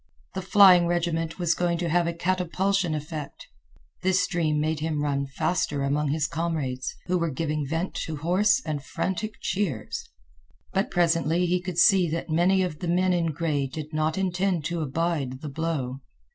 The flying regiment was going to have a catapultian effect. This dream made him run faster among his comrades, who were giving vent to hoarse and frantic cheers. But presently he could see that many of the men in gray did not intend to abide the blow.